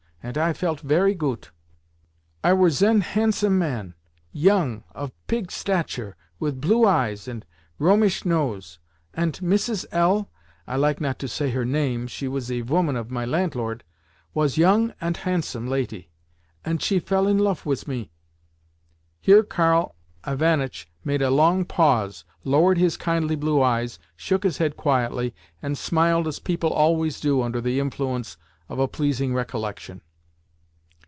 Ant I felt very goot. "I were zen handsome man—yong, of pig stature, with blue eyes and römische nose—ant Missis L— (I like not to say her name—she was ze voman of my lantlort) was yong ant handsome laty. Ant she fell in loaf wis me." Here Karl Ivanitch made a long pause, lowered his kindly blue eyes, shook his head quietly, and smiled as people always do under the influence of a pleasing recollection.